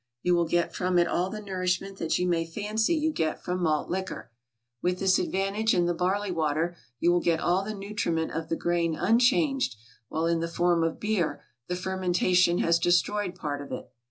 You will get from it all the nourishment that you may fancy you get from malt liquor, with this advantage: in the barley water you will get all the nutriment of the grain unchanged, while in the form of beer the fermentation has destroyed part of it.